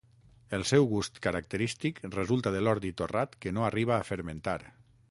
El seu gust característic resulta de l'ordi torrat que no arriba a fermentar.